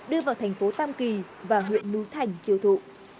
đưa vào thành phố tam kỳ và huyện nú thành kiêu thụ